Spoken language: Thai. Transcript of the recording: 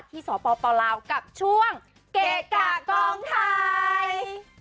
สปลาวกับช่วงเกะกะกองไทย